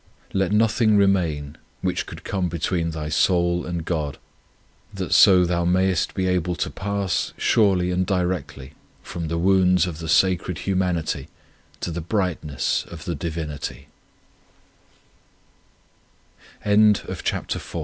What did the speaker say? Let nothing remain which could come between thy soul and God, that so thou mayest be able to pass surely and directly from the wounds of the Sacred Humanity to the brightne